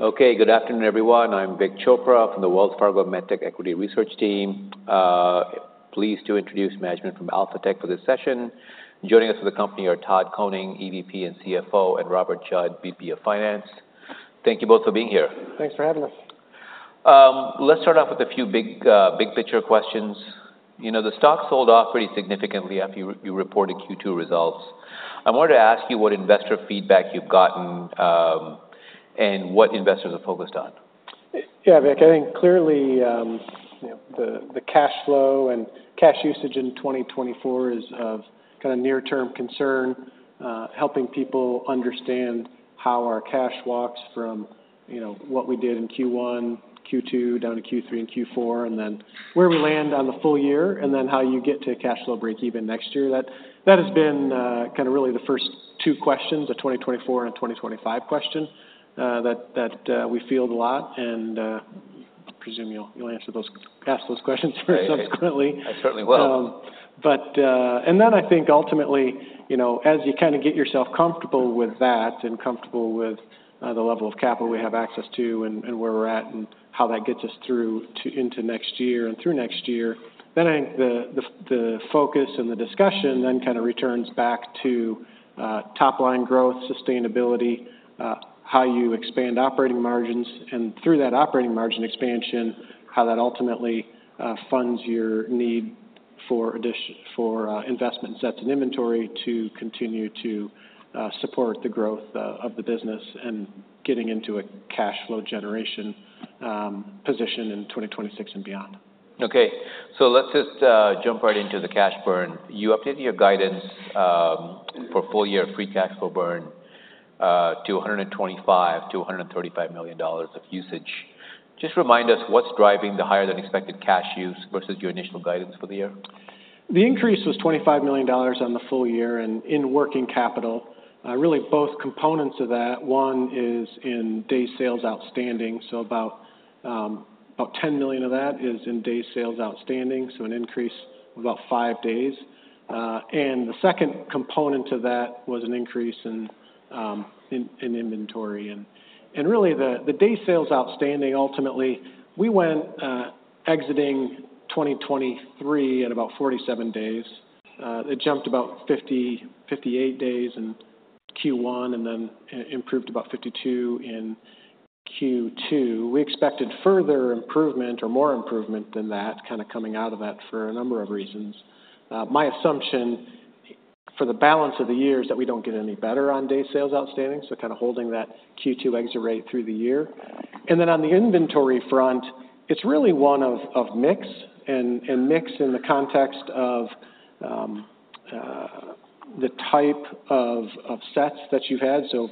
Okay, good afternoon, everyone. I'm Vik Chopra from the Wells Fargo MedTech Equity Research team. Pleased to introduce management from Alphatec for this session. Joining us from the company are Todd Koning, EVP and CFO, and Robert Judd, VP of Finance. Thank you both for being here. Thanks for having us. Let's start off with a few big-picture questions. You know, the stock sold off pretty significantly after you reported Q2 results. I wanted to ask you what investor feedback you've gotten, and what investors are focused on. Yeah, Vik, I think clearly, you know, the cash flow and cash usage in 2024 is of kind of near-term concern, helping people understand how our cash walks from, you know, what we did in Q1, Q2, down to Q3 and Q4, and then where we land on the full year, and then how you get to a cash flow breakeven next year. That has been kind of really the first two questions, the 2024 and 2025 question, that we field a lot, and I presume you'll answer those questions for us subsequently. I certainly will. But then I think ultimately, you know, as you kind of get yourself comfortable with that and comfortable with the level of capital we have access to and where we're at and how that gets us through to into next year and through next year, then I think the focus and the discussion then kind of returns back to top line growth, sustainability, how you expand operating margins, and through that operating margin expansion, how that ultimately funds your need for additional investment sets and inventory to continue to support the growth of the business and getting into a cash flow generation position in 2026 and beyond. Okay. So let's just jump right into the cash burn. You updated your guidance for full year free cash flow burn to $125 million-$135 million of usage. Just remind us what's driving the higher than expected cash use versus your initial guidance for the year? The increase was $25 million on the full year and in working capital. Really both components of that, one is in days sales outstanding, so about 10 million of that is in days sales outstanding, so an increase of about 5 days. The second component to that was an increase in inventory. Really, the days sales outstanding, ultimately, we went exiting 2023 at about 47 days. It jumped about 58 days in Q1 and then improved about 52 in Q2. We expected further improvement or more improvement than that, kind of coming out of that for a number of reasons. My assumption for the balance of the year is that we don't get any better on days sales outstanding, so kind of holding that Q2 exit rate through the year. And then on the inventory front, it's really one of mix, and mix in the context of the type of sets that you had. So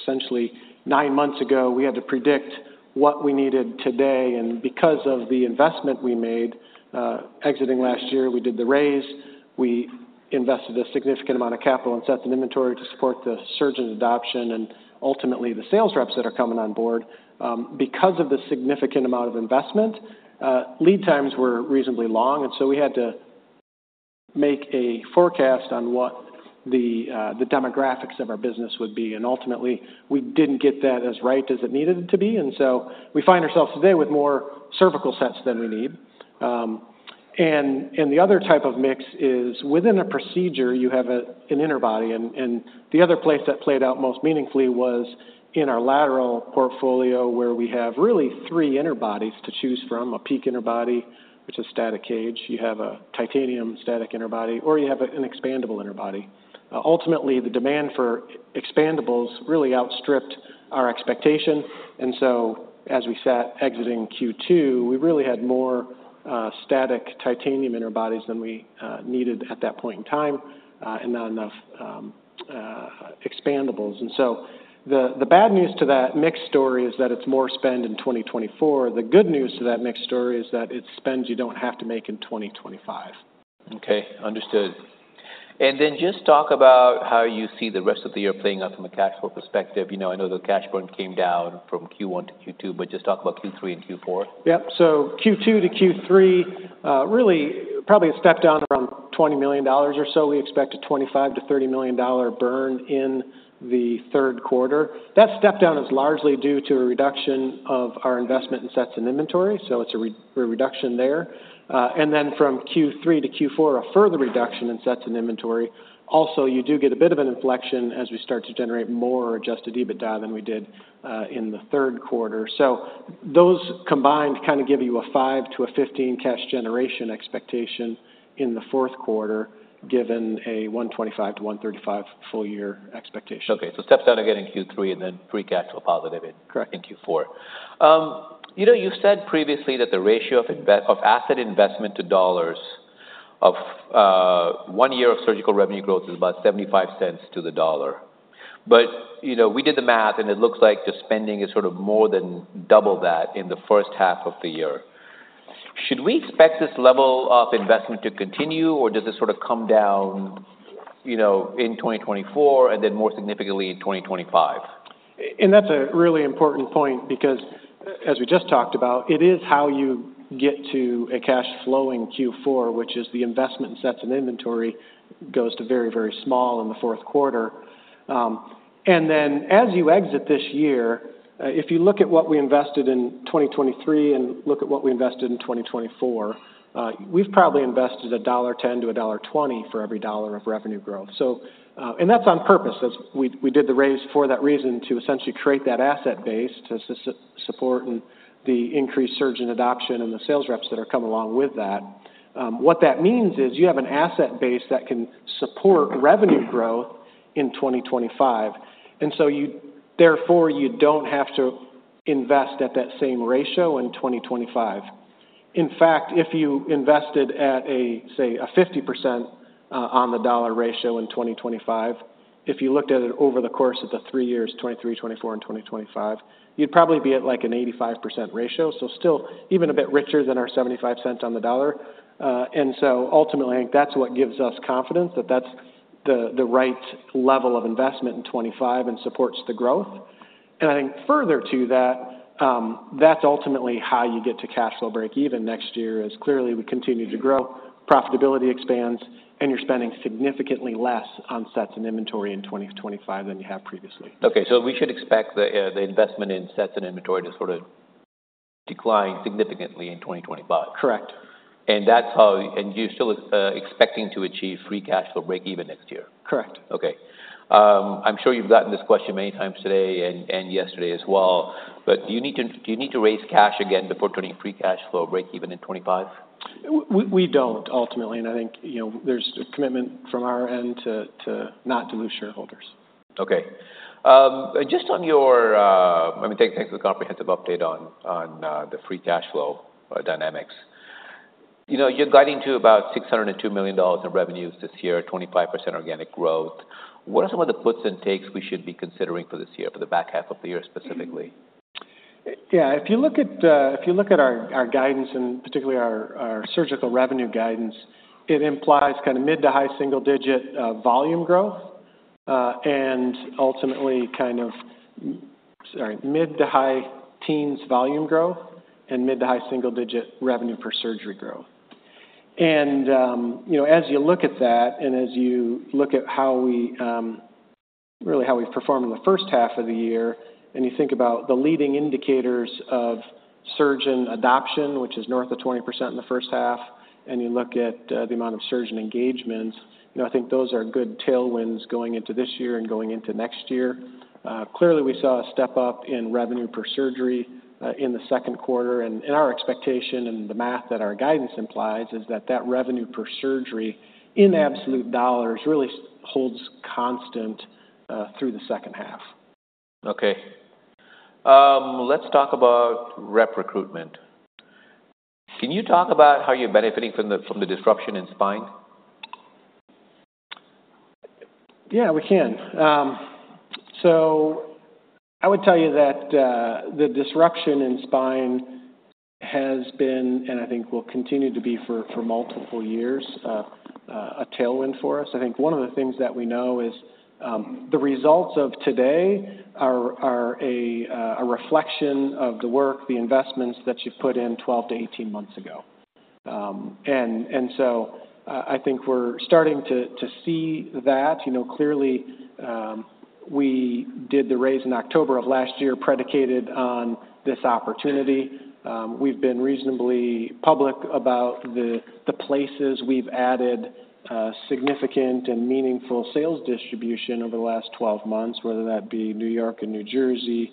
essentially, nine months ago, we had to predict what we needed today, and because of the investment we made exiting last year, we did the raise. We invested a significant amount of capital and sets in inventory to support the surge in adoption and ultimately the sales reps that are coming on board. Because of the significant amount of investment, lead times were reasonably long, and so we had to make a forecast on what the demographics of our business would be, and ultimately, we didn't get that as right as it needed it to be. And so we find ourselves today with more cervical sets than we need. And the other type of mix is within a procedure. You have an interbody, and the other place that played out most meaningfully was in our lateral portfolio, where we have really three interbodies to choose from, a PEEK interbody, which is static cage. You have a titanium static interbody, or you have an expandable interbody. Ultimately, the demand for expandables really outstripped our expectation, and so as we sat exiting Q2, we really had more static titanium interbodies than we needed at that point in time, and not enough expandables, and so the bad news to that mixed story is that it's more spend in 2024. The good news to that mixed story is that it's spends you don't have to make in 2025. Okay, understood. And then just talk about how you see the rest of the year playing out from a cash flow perspective. You know, I know the cash burn came down from Q1 to Q2, but just talk about Q3 and Q4. Yep. So Q2 to Q3, really probably a step down from $20 million or so. We expect a $25 million-$30 million burn in the third quarter. That step down is largely due to a reduction of our investment in sets and inventory, so it's a reduction there. And then from Q3 to Q4, a further reduction in sets and inventory. Also, you do get a bit of an inflection as we start to generate more adjusted EBITDA than we did in the third quarter. So those combined kind of give you a $5 million-$15 million cash generation expectation in the fourth quarter, given a $125 million-$135 million full year expectation. Okay, so steps down again in Q3, and then free cash flow positive in- Correct. Q4. You know, you said previously that the ratio of asset investment to dollars of one year of surgical revenue growth is about $0.75 to $1. But, you know, we did the math, and it looks like the spending is sort of more than double that in the first half of the year. Should we expect this level of investment to continue, or does this sort of come down, you know, in 2024, and then more significantly in 2025? And that's a really important point because as we just talked about, it is how you get to a cash flowing Q4, which is the investment sets and inventory goes to very, very small in the fourth quarter. And then as you exit this year, if you look at what we invested in 2023 and look at what we invested in 2024, we've probably invested $1.10-$1.20 for every $1 of revenue growth. So, and that's on purpose. That's we did the raise for that reason, to essentially create that asset base to support and the increased surgeon adoption and the sales reps that are coming along with that. What that means is you have an asset base that can support revenue growth in 2025, and so therefore, you don't have to invest at that same ratio in 2025. In fact, if you invested at a, say, 50% on the dollar ratio in 2025, if you looked at it over the course of the three years, 2023, 2024, and 2025, you'd probably be at, like, an 85% ratio. So still even a bit richer than our 75 cents on the dollar. And so ultimately, I think that's what gives us confidence that that's the right level of investment in 2025 and supports the growth. I think further to that, that's ultimately how you get to cash flow break even next year, as clearly we continue to grow, profitability expands, and you're spending significantly less on sets and inventory in 2025 than you have previously. Okay, so we should expect the investment in sets and inventory to sort of decline significantly in 2025? Correct. You're still expecting to achieve free cash flow break even next year? Correct. Okay. I'm sure you've gotten this question many times today and yesterday as well, but do you need to raise cash again before turning free cash flow break even in 2025? We don't ultimately, and I think, you know, there's a commitment from our end to not dilute shareholders. Okay. Just on your, I mean, taking a comprehensive update on the free cash flow dynamics. You know, you're guiding to about $602 million in revenues this year, 25% organic growth. What are some of the puts and takes we should be considering for this year, for the back half of the year, specifically? Yeah. If you look at, if you look at our, our guidance, and particularly our, our surgical revenue guidance, it implies kind of mid to high single digit, volume growth, and ultimately kind of, sorry, mid to high teens volume growth and mid to high single digit revenue per surgery growth. You know, as you look at that, and as you look at how we, really how we performed in the first half of the year, and you think about the leading indicators of surgeon adoption, which is north of 20% in the first half, and you look at, the amount of surgeon engagements, you know, I think those are good tailwinds going into this year and going into next year. Clearly, we saw a step-up in revenue per surgery, in the second quarter. Our expectation and the math that our guidance implies is that that revenue per surgery, in absolute dollars, really holds constant through the second half. Okay. Let's talk about rep recruitment. Can you talk about how you're benefiting from the disruption in spine? Yeah, we can. So I would tell you that the disruption in spine has been, and I think will continue to be for multiple years, a tailwind for us. I think one of the things that we know is the results of today are a reflection of the work, the investments that you've put in 12-18 months ago, and so I think we're starting to see that. You know, clearly, we did the raise in October of last year, predicated on this opportunity. We've been reasonably public about the places we've added significant and meaningful sales distribution over the last 12 months, whether that be New York and New Jersey,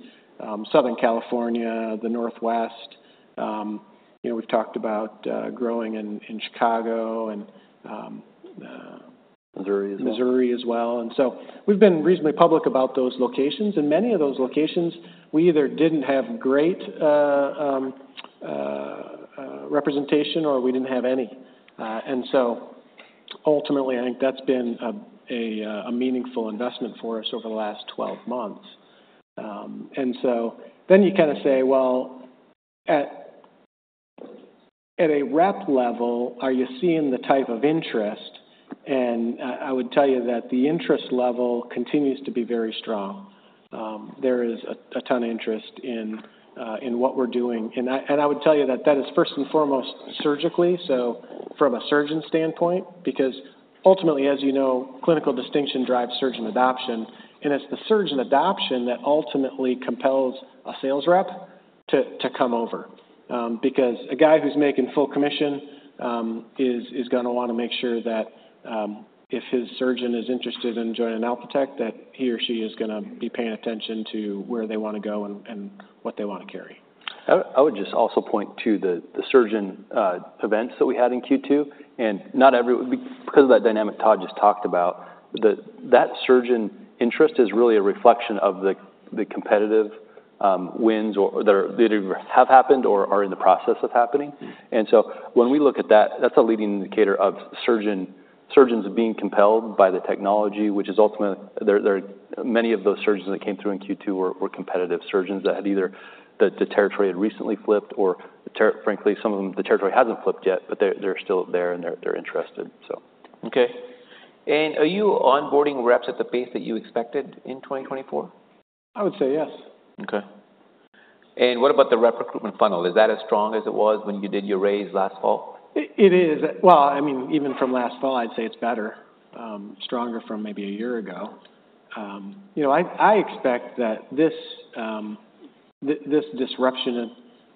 Southern California, the Northwest. You know, we've talked about growing in Chicago and Missouri as well. Missouri as well. And so we've been reasonably public about those locations. In many of those locations, we either didn't have great representation or we didn't have any. And so ultimately, I think that's been a meaningful investment for us over the last twelve months. And so then you kind of say, "Well, at a rep level, are you seeing the type of interest?" And I would tell you that the interest level continues to be very strong. There is a ton of interest in what we're doing. And I would tell you that that is first and foremost surgically, so from a surgeon standpoint, because ultimately, as you know, clinical distinction drives surgeon adoption, and it's the surgeon adoption that ultimately compels a sales rep to come over. Because a guy who's making full commission is gonna wanna make sure that if his surgeon is interested in joining Alphatec, that he or she is gonna be paying attention to where they wanna go and what they wanna carry. I would just also point to the surgeon events that we had in Q2. Because of that dynamic Todd just talked about, that surgeon interest is really a reflection of the competitive wins that either have happened or are in the process of happening. So when we look at that, that's a leading indicator of surgeons being compelled by the technology, which is ultimately... Many of those surgeons that came through in Q2 were competitive surgeons that had either that the territory had recently flipped or frankly, some of them, the territory hasn't flipped yet, but they're still there, and they're interested, so. Okay, and are you onboarding reps at the pace that you expected in twenty twenty-four? I would say yes. Okay. And what about the rep recruitment funnel? Is that as strong as it was when you did your raise last fall? It is, well, I mean, even from last fall, I'd say it's better, stronger from maybe a year ago. You know, I expect that this disruption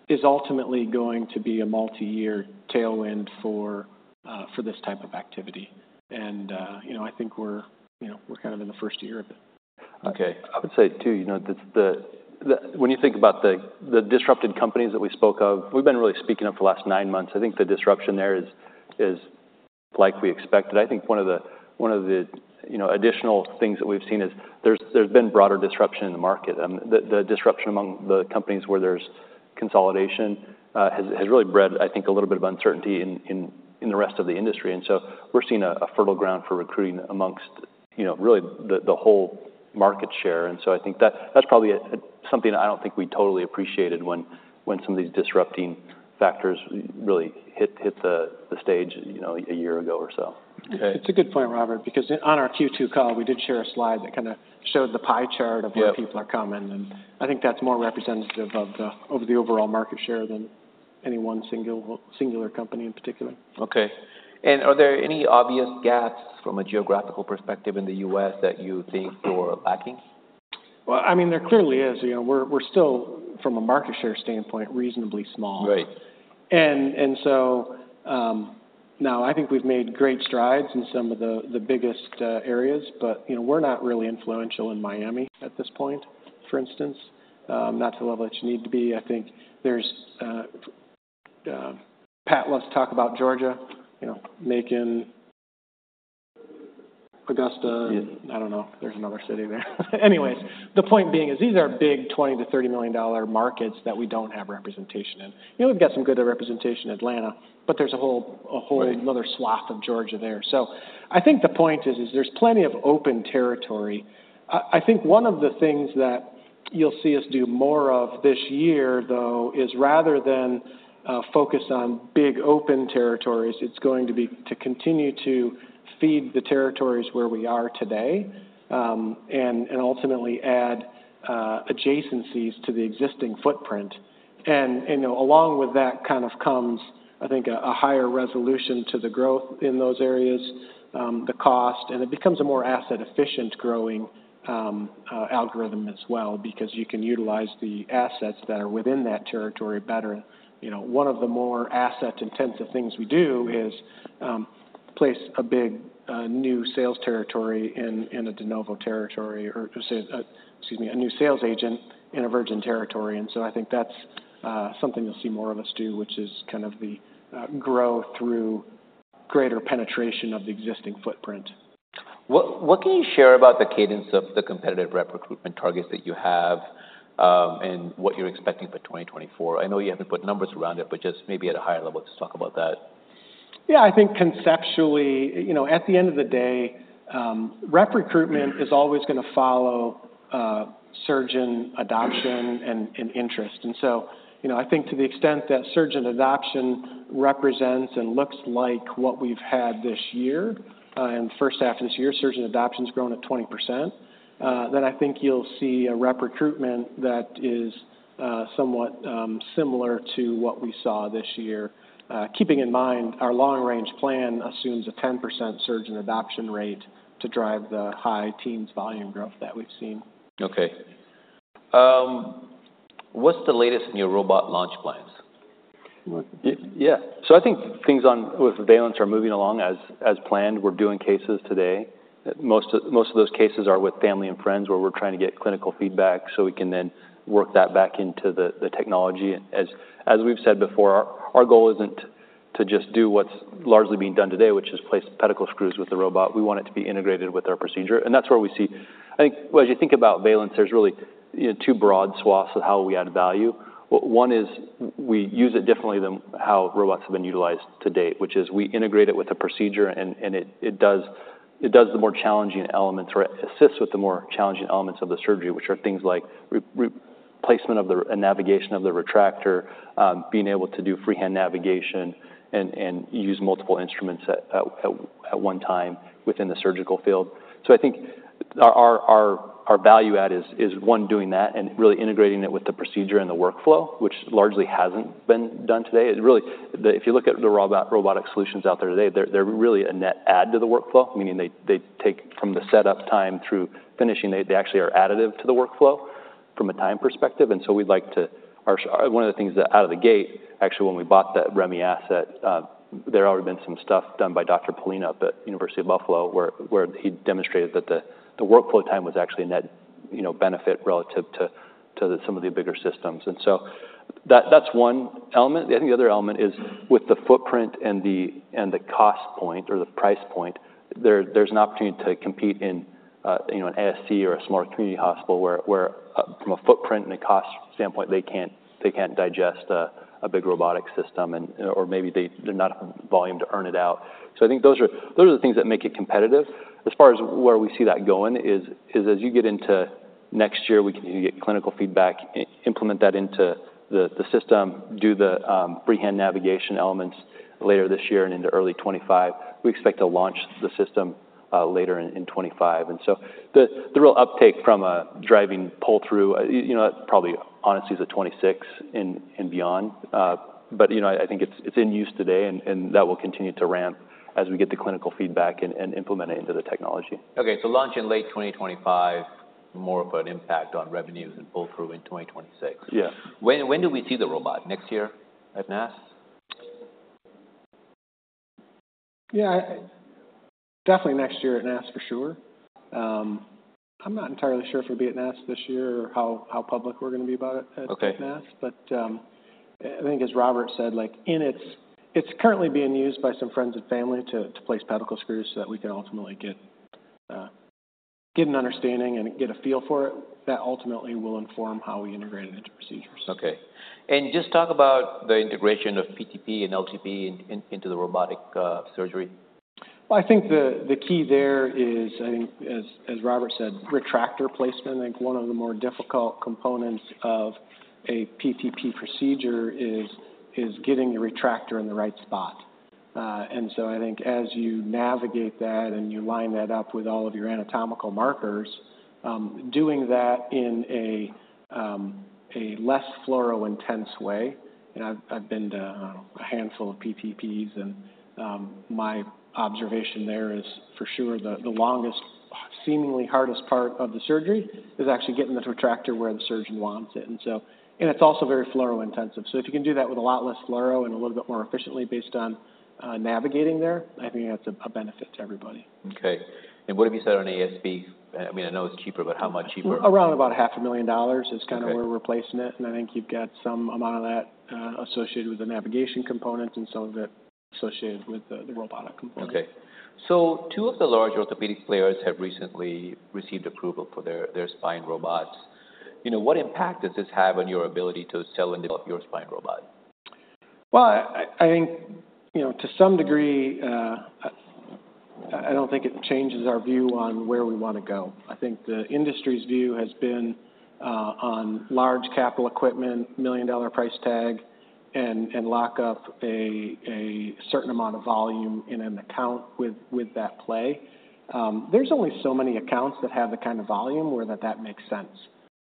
is ultimately going to be a multi-year tailwind for this type of activity. You know, I think we're, you know, we're kind of in the first year of it. Okay. I would say, too, you know, the disrupted companies that we spoke of, we've been really speaking of for the last nine months. I think the disruption there is like we expected. I think one of the, you know, additional things that we've seen is there's been broader disruption in the market. The disruption among the companies where there's consolidation has really bred, I think, a little bit of uncertainty in the rest of the industry. And so we're seeing a fertile ground for recruiting amongst, you know, really the whole market share. And so I think that's probably something I don't think we totally appreciated when some of these disrupting factors really hit the stage, you know, a year ago or so. Okay. It's a good point, Robert, because on our Q2 call, we did share a slide that kind of showed the pie chart- Yeah - of where people are coming, and I think that's more representative of the overall market share than any one single, singular company in particular. Okay. And are there any obvious gaps from a geographical perspective in the U.S. that you think you're lacking? I mean, there clearly is. You know, we're still, from a market share standpoint, reasonably small. Right. And so now I think we've made great strides in some of the biggest areas, but you know, we're not really influential in Miami at this point, for instance, not to the level that you need to be. I think there's, Pat loves to talk about Georgia, you know, Macon, Augusta. Yeah. I don't know, there's another city there. Anyways, the point being is these are big $20-$30 million markets that we don't have representation in. You know, we've got some good representation in Atlanta, but there's a whole- Right -another swath of Georgia there. So I think the point is, there's plenty of open territory. I think one of the things that you'll see us do more of this year, though, is rather than focus on big open territories, it's going to be to continue to feed the territories where we are today, and ultimately add adjacencies to the existing footprint. And you know, along with that kind of comes, I think, a higher resolution to the growth in those areas, the cost, and it becomes a more asset-efficient growing algorithm as well because you can utilize the assets that are within that territory better. You know, one of the more asset-intensive things we do is place a big new sales territory in a de novo territory or say, excuse me, a new sales agent in a virgin territory, and so I think that's something you'll see more of us do, which is kind of the growth through greater penetration of the existing footprint. What, what can you share about the cadence of the competitive rep recruitment targets that you have, and what you're expecting for 2024? I know you haven't put numbers around it, but just maybe at a higher level, just talk about that. Yeah, I think conceptually, you know, at the end of the day, rep recruitment is always gonna follow, surgeon adoption and interest. And so, you know, I think to the extent that surgeon adoption represents and looks like what we've had this year, in the first half of this year, surgeon adoption's grown at 20%, then I think you'll see a rep recruitment that is, somewhat, similar to what we saw this year. Keeping in mind, our long-range plan assumes a 10% surgeon adoption rate to drive the high teens volume growth that we've seen. Okay. What's the latest in your robot launch plans? Yeah. I think things on with Valence are moving along as planned. We're doing cases today. Most of those cases are with family and friends, where we're trying to get clinical feedback, so we can then work that back into the technology. As we've said before, our goal isn't to just do what's largely being done today, which is place pedicle screws with the robot. We want it to be integrated with our procedure, and that's where we see... as you think about Valence, there's really, you know, two broad swaths of how we add value. One is we use it differently than how robots have been utilized to date, which is we integrate it with the procedure, and it does the more challenging elements, or it assists with the more challenging elements of the surgery, which are things like replacement of the, and navigation of the retractor, being able to do freehand navigation and use multiple instruments at one time within the surgical field. So I think our value add is one, doing that and really integrating it with the procedure and the workflow, which largely hasn't been done today. It really. If you look at the robotic solutions out there today, they're really a net add to the workflow, meaning they take from the setup time through finishing. They actually are additive to the workflow from a time perspective, and so we'd like to. Our one of the things that out of the gate, actually, when we bought that REMI asset, there had already been some stuff done by Dr. Pollina at the University at Buffalo, where he'd demonstrated that the workflow time was actually a net, you know, benefit relative to some of the bigger systems. And so that's one element. I think the other element is with the footprint and the cost point or the price point, there's an opportunity to compete in, you know, an ASC or a smaller community hospital, where from a footprint and a cost standpoint, they can't digest a big robotic system and, or maybe they're not volume to earn it out. So I think those are the things that make it competitive. As far as where we see that going is as you get into next year, we continue to get clinical feedback, implement that into the system, do the freehand navigation elements later this year and into early 2025. We expect to launch the system later in 2025. And so the real uptake from a driving pull-through, you know, probably honestly is 2026 and beyond. But you know, I think it's in use today, and that will continue to ramp as we get the clinical feedback and implement it into the technology. Okay, so launch in late 2025, more of an impact on revenues and pull-through in 2026? Yes. When do we see the robot? Next year at NASS? Yeah, definitely next year at NASS, for sure. I'm not entirely sure if it'll be at NASS this year, or how public we're gonna be about it- Okay -at NASS. But, I think as Robert said, like, it's currently being used by some friends and family to place pedicle screws so that we can ultimately get an understanding and get a feel for it. That ultimately will inform how we integrate it into procedures. Okay. And just talk about the integration of PTP and LTP into the robotic surgery. I think the key there is, I think as Robert said, retractor placement. I think one of the more difficult components of a PTP procedure is getting the retractor in the right spot. And so I think as you navigate that and you line that up with all of your anatomical markers, doing that in a less fluoro intense way. And I've been to, I don't know, a handful of PTPs, and my observation there is, for sure, the longest, seemingly hardest part of the surgery is actually getting the retractor where the surgeon wants it. And it's also very fluoro intensive. So if you can do that with a lot less fluoro and a little bit more efficiently based on navigating there, I think that's a benefit to everybody. Okay. And what have you said on ASP? I mean, I know it's cheaper, but how much cheaper? Around about $500,000- Okay -is kind of we're replacing it, and I think you've got some amount of that, associated with the navigation component and some of it associated with the robotic component. Okay. So two of the large orthopedics players have recently received approval for their spine robots. You know, what impact does this have on your ability to sell and develop your spine robot? I think, you know, to some degree, I don't think it changes our view on where we wanna go. I think the industry's view has been on large capital equipment, million-dollar price tag, and lock up a certain amount of volume in an account with that play. There's only so many accounts that have the kind of volume where that makes sense.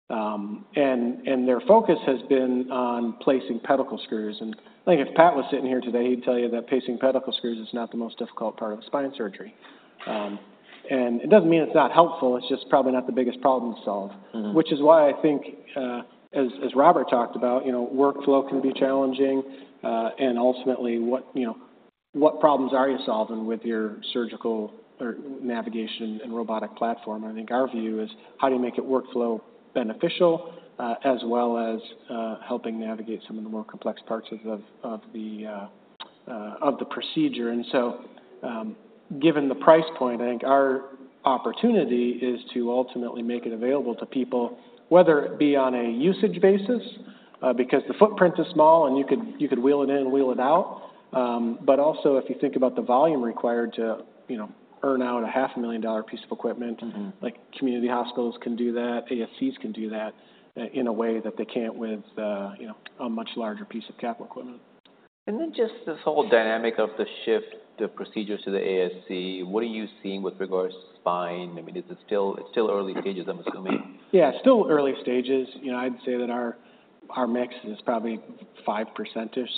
Their focus has been on placing pedicle screws, and I think if Pat was sitting here today, he'd tell you that placing pedicle screws is not the most difficult part of spine surgery, and it doesn't mean it's not helpful, it's just probably not the biggest problem to solve. Mm-hmm. Which is why I think, as Robert talked about, you know, workflow can be challenging, and ultimately, you know, what problems are you solving with your surgical or navigation and robotic platform? I think our view is how do you make it workflow beneficial, as well as, helping navigate some of the more complex parts of the procedure. And so, given the price point, I think our opportunity is to ultimately make it available to people, whether it be on a usage basis, because the footprint is small, and you could wheel it in, wheel it out. But also, if you think about the volume required to, you know, earn out a $500,000 piece of equipment- Mm-hmm -like, community hospitals can do that, ASCs can do that, in a way that they can't with, you know, a much larger piece of capital equipment. And then just this whole dynamic of the shift, the procedures to the ASC. What are you seeing with regards to spine? I mean, is it still? It's still early stages, I'm assuming. Yeah, still early stages. You know, I'd say that our mix is probably 5%,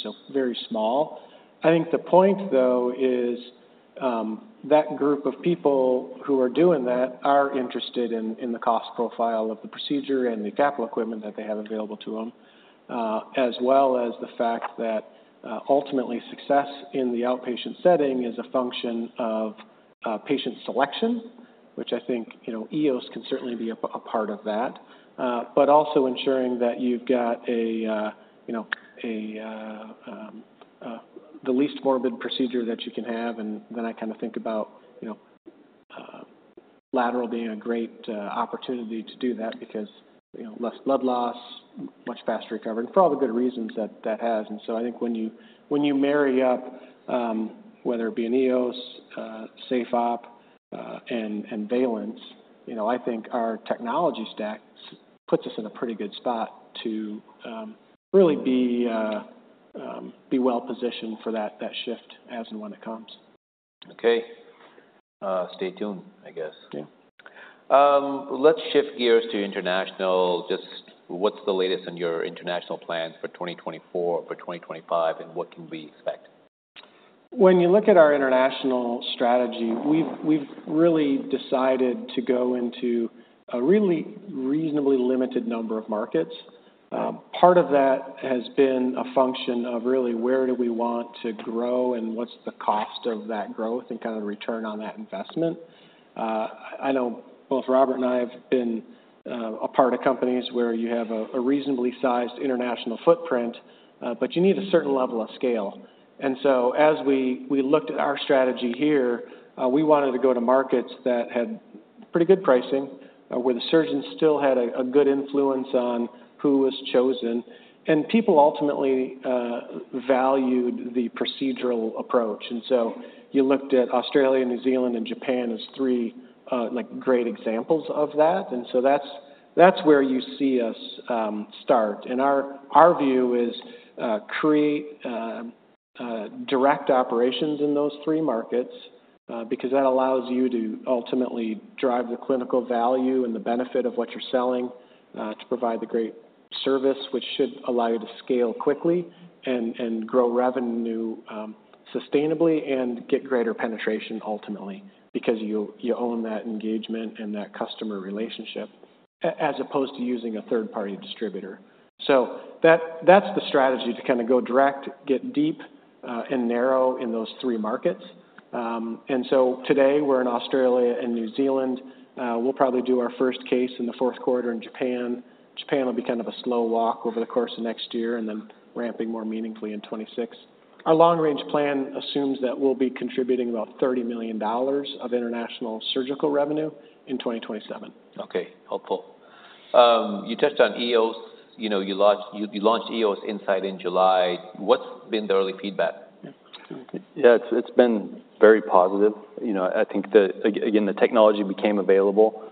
so very small. I think the point, though, is that group of people who are doing that are interested in the cost profile of the procedure and the capital equipment that they have available to them. As well as the fact that ultimately, success in the outpatient setting is a function of patient selection, which I think, you know, EOS can certainly be a part of that. But also ensuring that you've got a, you know, the least morbid procedure that you can have, and then I kind of think about, you know, lateral being a great opportunity to do that because, you know, less blood loss, much faster recovery, and probably good reasons that has. And so I think when you marry up, whether it be an EOS, SafeOp, and Valence, you know, I think our technology stack puts us in a pretty good spot to really be well-positioned for that shift as and when it comes. Okay. Stay tuned, I guess. Yeah. Let's shift gears to international. Just what's the latest on your international plans for twenty twenty-four, for twenty twenty-five, and what can we expect? When you look at our international strategy, we've really decided to go into a really reasonably limited number of markets. Part of that has been a function of really where do we want to grow, and what's the cost of that growth and kind of return on that investment? I know both Robert and I have been a part of companies where you have a reasonably sized international footprint, but you need a certain level of scale. And so as we looked at our strategy here, we wanted to go to markets that had pretty good pricing, where the surgeons still had a good influence on who was chosen, and people ultimately valued the procedural approach. And so you looked at Australia, New Zealand, and Japan as three like great examples of that. And so that's where you see us start. Our view is to create direct operations in those three markets, because that allows you to ultimately drive the clinical value and the benefit of what you're selling, to provide the great service, which should allow you to scale quickly and grow revenue sustainably and get greater penetration ultimately, because you own that engagement and that customer relationship as opposed to using a third-party distributor. So that's the strategy, to kind of go direct, get deep and narrow in those three markets. And so today, we're in Australia and New Zealand. We'll probably do our first case in the fourth quarter in Japan. Japan will be kind of a slow walk over the course of next year, and then ramping more meaningfully in 2026. Our long-range plan assumes that we'll be contributing about $30 million of international surgical revenue in 2027. Okay, helpful. You touched on EOS. You know, you launched EOS Insight in July. What's been the early feedback? Yeah, it's been very positive. You know, I think again, the technology became available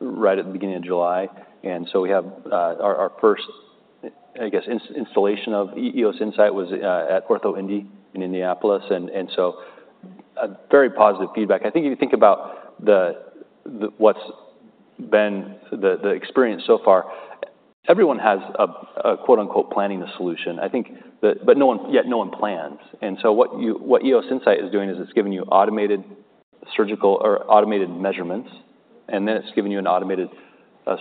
right at the beginning of July, and so we have our first, I guess, installation of EOS Insight was at OrthoIndy in Indianapolis, and so a very positive feedback. I think if you think about what's been the experience so far, everyone has a quote-unquote planning the solution. I think the. But no one yet plans. And so what EOS Insight is doing is it's giving you automated surgical or automated measurements, and then it's giving you an automated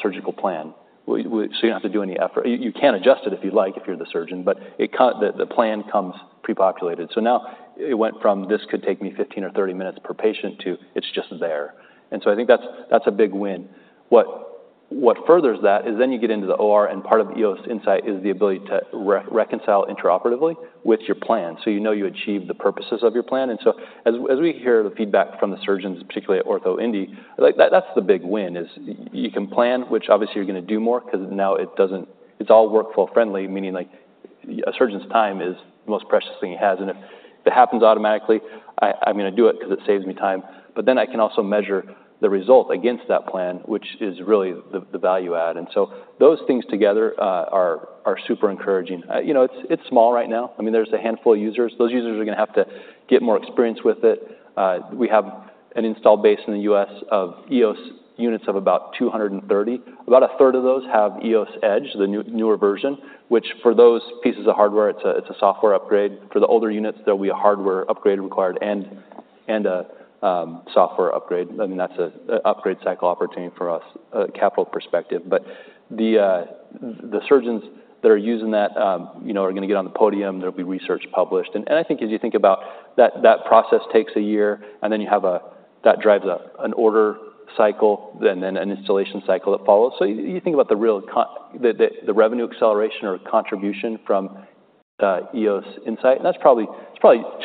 surgical plan. So you don't have to do any effort. You can adjust it if you'd like, if you're the surgeon, but the plan comes pre-populated. So now it went from, "This could take me fifteen or thirty minutes per patient," to "It's just there." And so I think that's a big win. What furthers that is then you get into the OR, and part of the EOS Insight is the ability to reconcile intraoperatively with your plan. So you know you achieved the purposes of your plan. And so as we hear the feedback from the surgeons, particularly at OrthoIndy, like, that's the big win, is you can plan, which obviously you're gonna do more, 'cause now it doesn't, it's all workflow friendly, meaning, like, a surgeon's time is the most precious thing he has. And if it happens automatically, I'm gonna do it 'cause it saves me time, but then I can also measure the result against that plan, which is really the value add. Those things together are super encouraging. You know, it's small right now. I mean, there's a handful of users. Those users are gonna have to get more experience with it. We have an installed base in the U.S. of EOS units of about 230. About a third of those have EOS Edge, the newer version, which for those pieces of hardware, it's a software upgrade. For the older units, there will be a hardware upgrade required and a software upgrade. I mean, that's a upgrade cycle opportunity for us, capital perspective. But the surgeons that are using that, you know, are gonna get on the podium. There'll be research published. I think as you think about that, that process takes a year, and then you have that drives an order cycle and then an installation cycle that follows. So you think about the real revenue acceleration or contribution from EOS Insight, and that's probably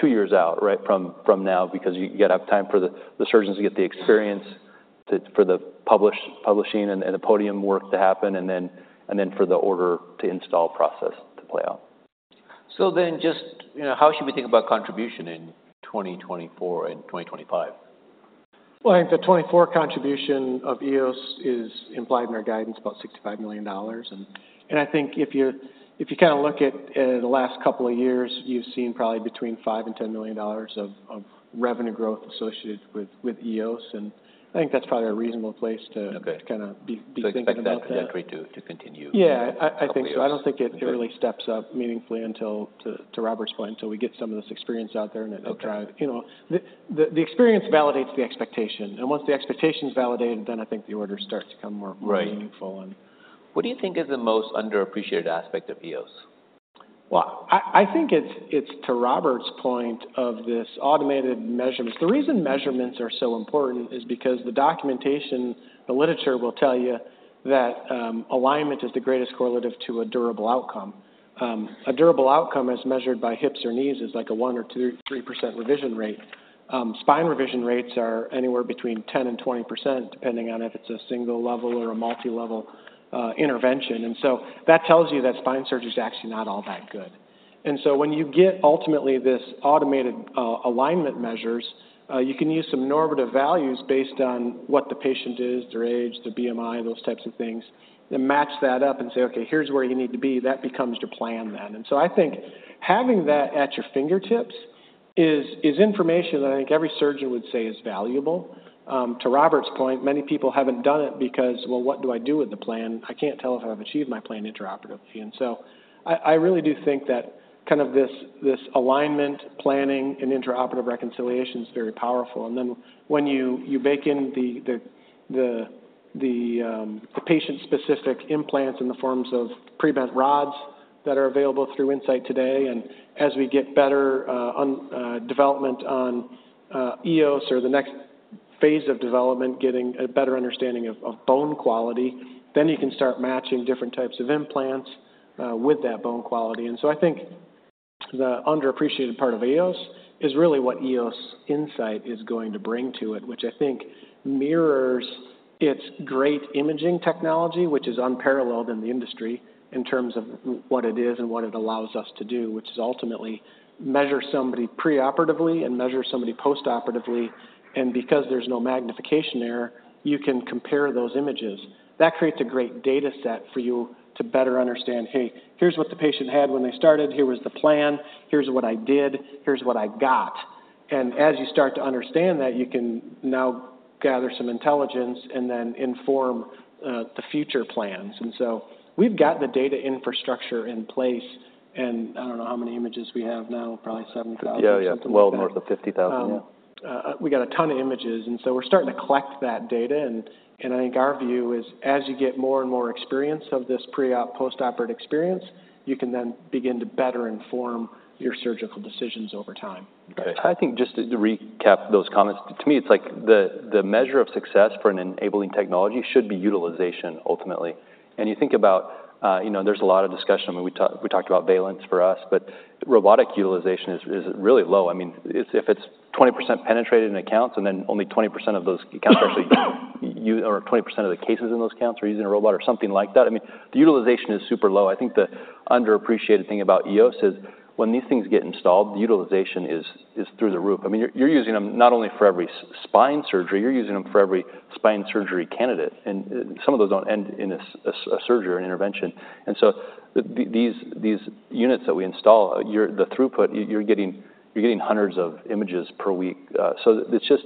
two years out, right, from now, because you gotta have time for the surgeons to get the experience, for the publishing and the podium work to happen, and then for the order to install process to play out. So then just, you know, how should we think about contribution in 2024 and 2025? I think the 2024 contribution of EOS is implied in our guidance, about $65 million. And I think if you kind of look at the last couple of years, you've seen probably between $5 million and $10 million of revenue growth associated with EOS, and I think that's probably a reasonable place to- Okay -to kind of be thinking about that. So expect that trajectory to continue? Yeah, I think so. Okay. I don't think it really steps up meaningfully until, to Robert's point, until we get some of this experience out there and try- Okay -you know, the experience validates the expectation, and once the expectation is validated, then I think the orders start to come more- Right -more meaningful, and What do you think is the most underappreciated aspect of EOS? I think it's to Robert's point of this automated measurements. The reason measurements are so important is because the documentation, the literature will tell you that alignment is the greatest correlative to a durable outcome. A durable outcome, as measured by hips or knees, is like a 1%-3% revision rate. Spine revision rates are anywhere between 10%-20%, depending on if it's a single-level or a multilevel intervention. And so that tells you that spine surgery is actually not all that good. And so when you get, ultimately, this automated alignment measures, you can use some normative values based on what the patient is, their age, their BMI, those types of things, and match that up and say, "Okay, here's where you need to be." That becomes your plan then. And so I think having that at your fingertips is information that I think every surgeon would say is valuable. To Robert's point, many people haven't done it because, well, what do I do with the plan? I can't tell if I've achieved my plan intraoperatively. And so I really do think that kind of this alignment, planning, and intraoperative reconciliation is very powerful. And then when you bake in the patient-specific implants in the forms of pre-bent rods that are available through Insight today, and as we get better on development on EOS or the next phase of development, getting a better understanding of bone quality, then you can start matching different types of implants with that bone quality. And so I think the underappreciated part of EOS is really what EOS Insight is going to bring to it, which I think mirrors its great imaging technology, which is unparalleled in the industry in terms of what it is and what it allows us to do, which is ultimately measure somebody preoperatively and measure somebody postoperatively. And because there's no magnification error, you can compare those images. That creates a great data set for you to better understand, hey, here's what the patient had when they started, here was the plan, here's what I did, here's what I got. And as you start to understand that, you can now gather some intelligence and then inform the future plans. And so we've got the data infrastructure in place, and I don't know how many images we have now, probably 7,000- Yeah, yeah. Well, more than 50,000, yeah. We got a ton of images, and so we're starting to collect that data, and I think our view is, as you get more and more experience of this preop, post-operative experience, you can then begin to better inform your surgical decisions over time. I think just to recap those comments, to me, it's like the measure of success for an enabling technology should be utilization, ultimately, and you think about, you know, there's a lot of discussion. I mean, we talked about Valence for us, but robotic utilization is really low. I mean, if it's 20% penetrated in accounts, and then only 20% of those accounts actually or 20% of the cases in those accounts are using a robot or something like that, I mean, the utilization is super low. I think the underappreciated thing about EOS is when these things get installed, the utilization is through the roof. I mean, you're using them not only for every spine surgery, you're using them for every spine surgery candidate, and some of those don't end in a surgery or an intervention. And so these units that we install, the throughput you're getting, you're getting hundreds of images per week. So it's just,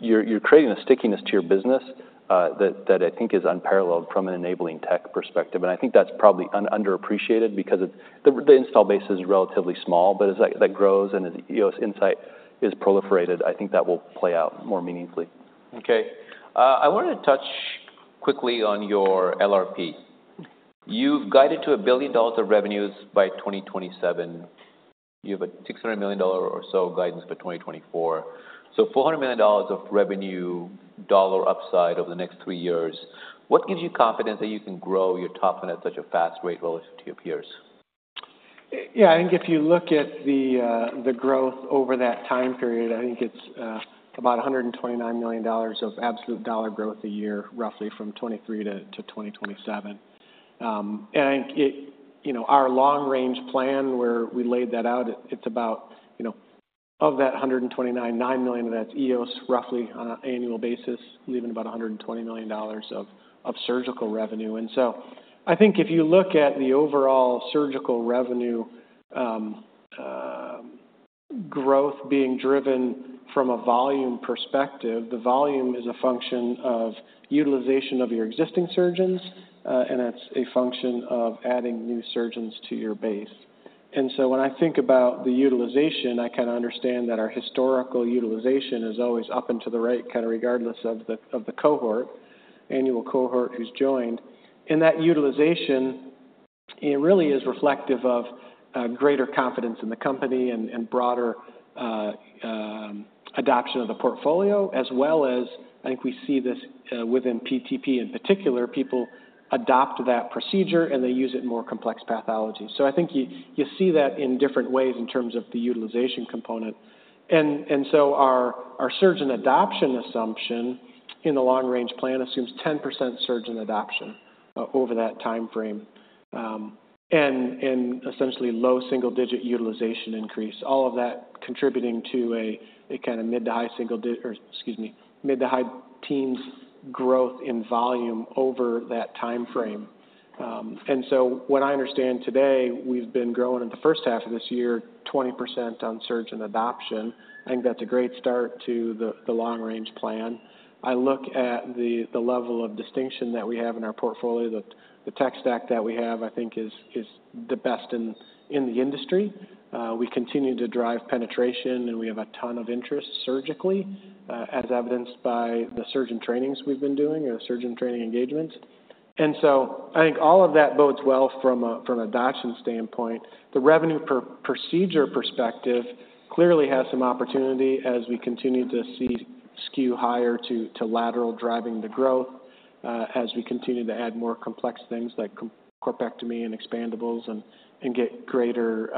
you're creating a stickiness to your business that I think is unparalleled from an enabling tech perspective. And I think that's probably underappreciated because the install base is relatively small, but as that grows and as EOS Insight is proliferated, I think that will play out more meaningfully. Okay. I wanted to touch quickly on your LRP. You've guided to $1 billion of revenues by 2027. You have a $600 million or so guidance for 2024. So $400 million of revenue dollar upside over the next three years, what gives you confidence that you can grow your top end at such a fast rate relative to your peers? Yeah, I think if you look at the growth over that time period, I think it's about $129 million of absolute dollar growth a year, roughly from 2023 to 2027. You know, our long-range plan, where we laid that out, it's about, you know, of that $129 million, $9 million of that's EOS, roughly on an annual basis, leaving about $120 million of surgical revenue. And so I think if you look at the overall surgical revenue growth being driven from a volume perspective, the volume is a function of utilization of your existing surgeons, and it's a function of adding new surgeons to your base. When I think about the utilization, I kind of understand that our historical utilization is always up and to the right, kind of regardless of the annual cohort who's joined. That utilization, it really is reflective of greater confidence in the company and broader adoption of the portfolio, as well as, I think we see this within PTP in particular, people adopt that procedure, and they use it in more complex pathology. I think you see that in different ways in terms of the utilization component. Our surgeon adoption assumption in the long range plan assumes 10% surgeon adoption over that timeframe. Essentially low single digit utilization increase, all of that contributing to a kind of mid to high single dig- or excuse me, mid to high teens growth in volume over that timeframe. And so what I understand today, we've been growing in the first half of this year, 20% on surgeon adoption. I think that's a great start to the long-range plan. I look at the level of distinction that we have in our portfolio. The tech stack that we have, I think is the best in the industry. We continue to drive penetration, and we have a ton of interest surgically, as evidenced by the surgeon trainings we've been doing or the surgeon training engagements. And so I think all of that bodes well from a adoption standpoint. The revenue per-procedure perspective clearly has some opportunity as we continue to see skew higher to lateral driving the growth, as we continue to add more complex things like corpectomy and expandables and get greater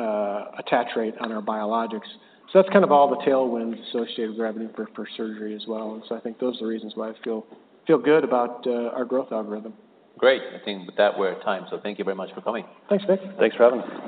attach rate on our biologics, so that's kind of all the tailwinds associated with revenue for surgery as well, and so I think those are the reasons why I feel good about our growth algorithm. Great. I think with that we're at time, so thank you very much for coming. Thanks, Vik. Thanks for having me.